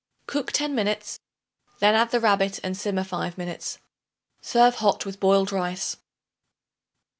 Cook ten minutes; then add the rabbit and simmer five minutes. Serve hot with boiled rice.